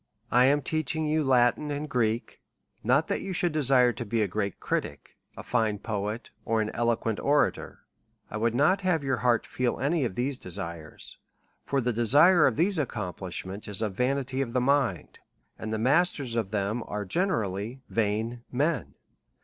I am teaching you Latin and Greek, not that you should desire to be a great critic, a fine poet, or an eloquent orator ; I would not have your heart feel any of those desires ; for the desire of these accomplish ments is a vanity of the mind, and the masters of them are generally vain men.